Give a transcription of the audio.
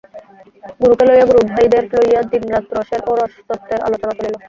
গুরুকে লইয়া গুরুভাইদের লইয়া দিনরাত রসের ও রসতত্ত্বের আলোচনা চলিল।